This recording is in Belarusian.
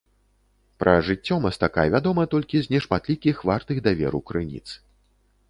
Пра жыццё мастака вядома толькі з нешматлікіх вартых даверу крыніц.